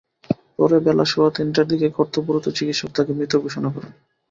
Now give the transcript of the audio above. পরে বেলা সোয়া তিনটার দিকে কর্তব্যরত চিকিৎসক তাঁকে মৃত ঘোষণা করেন।